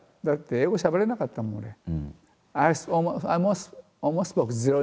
だって英語しゃべれなかったもん俺。